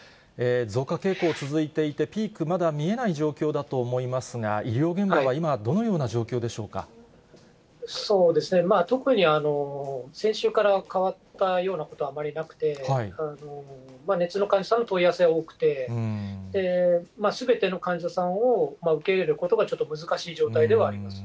増加傾向、続いていて、ピーク、まだ見えない状況だと思いますが、医療現場は今、どのような状況でそうですね、特に先週から変わったようなことはあまりなくて、熱の患者さんの問い合わせが多くて、すべての患者さんを受け入れることが、ちょっと難しい状態ではあります。